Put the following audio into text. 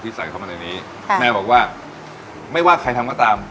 ใส่เข้ามาในนี้แม่บอกว่าไม่ว่าใครทำก็ตาม